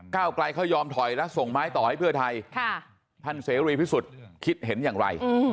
ไกลเขายอมถอยแล้วส่งไม้ต่อให้เพื่อไทยท่านเสรีพิสุทธิ์คิดเห็นอย่างไร